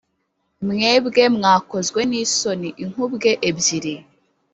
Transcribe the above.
mwebwe, mwakozwe n’isoni inkubwe ebyiri,